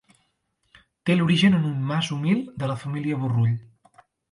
Té l'origen en un mas humil de la família Borrull.